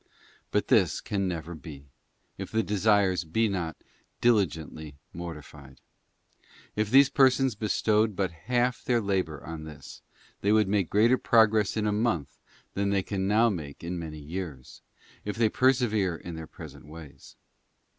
But this can never be, if the desires be not dili gently mortified. If these persons bestowed but half their labour on this, they would make greater progress in a month than they can now make in many years, if they persevere in their present ways.